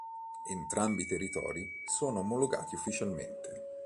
Entrambi i territori sono omologati ufficialmente.